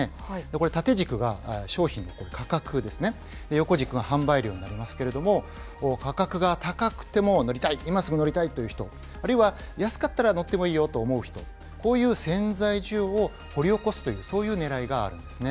これ縦軸が商品の価格ですね、横軸が販売量になりますけれども、価格が高くても乗りたい、今すぐ乗りたいという人、あるいは安かったら乗ってもいいよと思う人、こういう潜在需要を掘り起こすという、そういうねらいがあるんですね。